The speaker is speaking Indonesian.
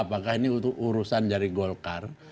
apakah ini untuk urusan dari golkar